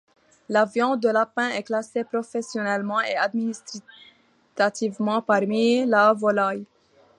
La viande de lapin est classée professionnellement et administrativement parmi la volaille.